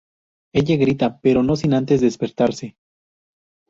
Ella grita pero no sin antes despertarse.